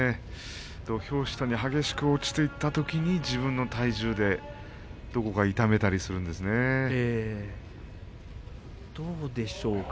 土俵下に、激しく落ちていったときに自分の体重でどうでしょうか。